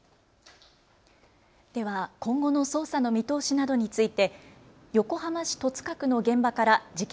では今後の捜査の見通しなどについて横浜市戸塚区の事件